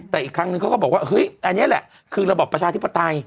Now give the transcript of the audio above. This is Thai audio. แต่อีกครั้งนึงเขาก็บอกว่าเฮ้ยอันนี้แหละคือระบอบประชาธิปไตย